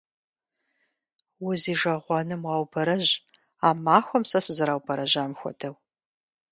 Узижэгъуэным уаубэрэжь а махуэм сэ сызэраубэрэжьам хуэдэу!